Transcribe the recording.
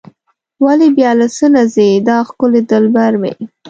ولې بیا له څه نه ځي دا ښکلی دلبر مې.